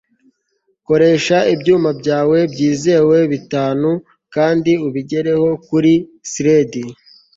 koresha ibyuma byawe byizewe bitanu kandi ubigereho kuri sled